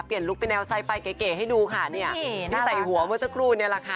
เปลี่ยนลุคเป็นแนวไซด์ไปเก๋ให้ดูค่ะนี่นี่ใส่หัวเมอร์เซอร์กรูนี่แหละค่ะ